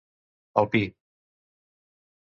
El pi.